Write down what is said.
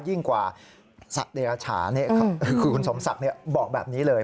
ยิ่งกว่าสัตว์เดรัชาคุณสมศัพท์บอกแบบนี้เลย